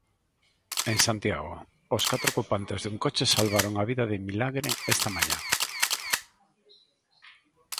En Santiago, os catro ocupantes dun coche salvaron a vida de milagre esta mañá.